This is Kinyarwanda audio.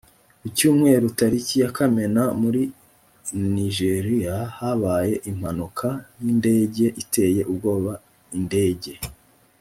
ku cyumweru tariki ya kamena muri nijeriya habaye impanuka y indege iteye ubwoba indege